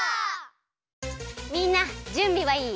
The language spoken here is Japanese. みんなじゅんびはいい？